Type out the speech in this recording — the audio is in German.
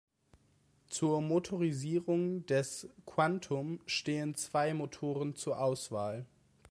Zur Motorisierung des Quantum stehen zwei Motoren zur Auswahl.